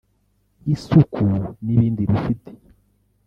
isuku n’ibindi rufite